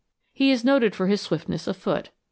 He is noted for his swiftness of foot.